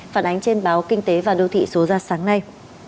phản ánh trên báo kinh tế và đô thị số ra sáng nay